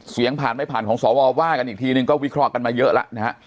ผ่านไม่ผ่านของสวว่ากันอีกทีนึงก็วิเคราะห์กันมาเยอะแล้วนะฮะ